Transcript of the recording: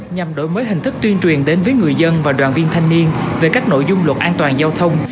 nhằm đổi mới hình thức tuyên truyền đến với người dân và đoàn viên thanh niên về các nội dung luật an toàn giao thông